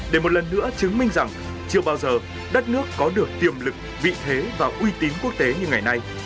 để một lần nữa chứng minh rằng chưa bao giờ đất nước có được tiềm lực vị thế và uy tín quốc tế như ngày nay